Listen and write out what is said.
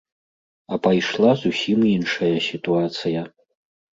А пайшла зусім іншая сітуацыя.